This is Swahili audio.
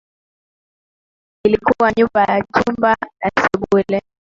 Ilikuwa nyumba ya chumba na sebule